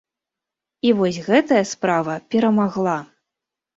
І вось гэтая справа перамагла.